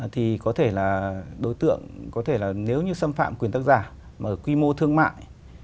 thì có thể là đối tượng có thể là nếu như xâm phạm quyền tác giả mà ở quy mô thương mại